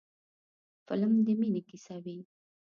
فلم د مینې کیسه وي